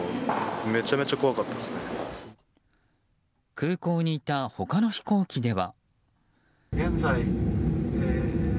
空港にいた他の飛行機では。